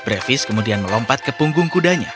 brevis kemudian melompat ke punggung kudanya